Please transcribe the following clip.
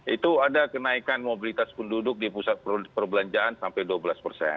itu ada kenaikan mobilitas penduduk di pusat perbelanjaan sampai dua belas persen